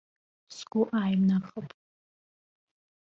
Сгәы ааимнахып.